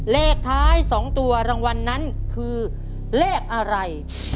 เลขท้าย๒ตัวรางวัลนั้นคือเลขอะไร